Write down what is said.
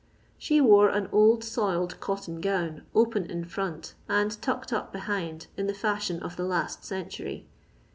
She wore an old soiled cotton gown, open in front, and tucked up behind in the fiuhion of the last century.